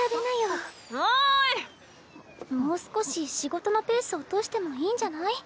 もう少し仕事のペース落としてもいいんじゃない？